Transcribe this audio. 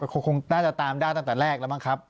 คงน่าจะตามได้ตั้งแต่แรกแล้วมั้งครับ